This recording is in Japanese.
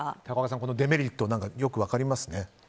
高岡さん、そのデメリットよく分かりますね。